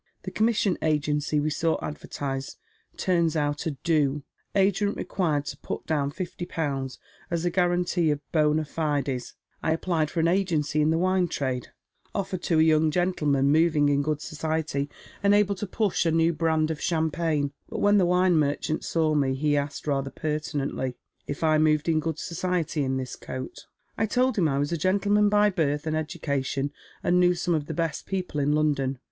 The commission agency we saw advertised turns out a ' do.' Agent requiieb to put down fifty pounds as a guarantee of bnna la/es. I applied for an agency la the wiii» trade, olfered to ». vouniS Plunged in the D&ptli of Ilelphsa Poverty.^ 11 gentleman moving in good Bociety and able to push a new bran(? of champagne ; but when the wine merchant saw me, he asked, rather pertinently, if I moved in good society in this coat. I told him I was a gentleman by birth and education, and knew some of the best people in London.